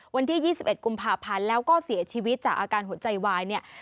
วันที่๒๑กุมภาพันธ์แล้วก็เสียชีวิตจากอาการหัวใจวายเนี่ย